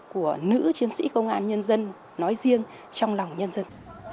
của nữ chiến sĩ công an nhân dân nói riêng trong lòng nhân dân